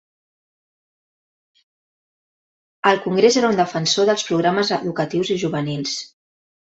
Al congrés era un defensor dels programes educatius i juvenils.